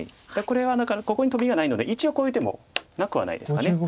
これはだからここにトビはないので一応こういう手もなくはないですか。